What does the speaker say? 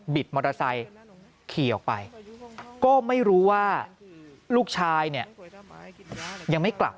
มอเตอร์ไซค์ขี่ออกไปก็ไม่รู้ว่าลูกชายเนี่ยยังไม่กลับ